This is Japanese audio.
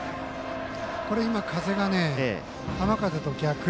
これ今、風が浜風と逆。